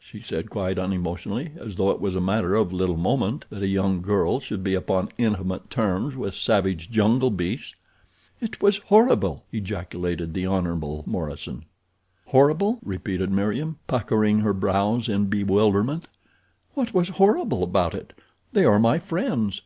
she said quite unemotionally, as though it was a matter of little moment that a young girl should be upon intimate terms with savage jungle beasts. "It was horrible!" ejaculated the Hon. Morison. "Horrible?" repeated Meriem, puckering her brows in bewilderment. "What was horrible about it? They are my friends.